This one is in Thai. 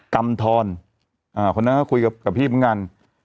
กำทรคนนั้นก็คุยกับพี่เหมือนกัน